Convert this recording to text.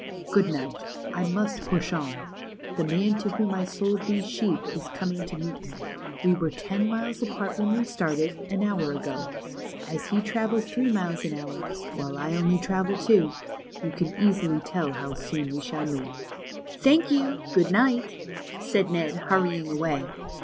Good night. I must push on. The man to whom I sold these sheep is coming to meet me. We were ten miles apart when we started, an hour ago. As he 68 THE CHILDREN'S WONDER BOOK. travels three miles an hour, while I only travel two, you can easily tell how soon we shall meet." Thank you. Good night," said Ned, hurrying away.